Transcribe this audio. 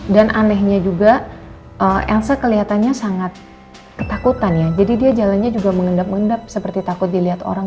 dan anehnya juga elsa kelihatannya sangat ketakutan jadi dia jalannya juga mengendap mengendap seperti takut dilihat orang